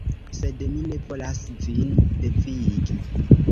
Sed mi ne volas vin devigi.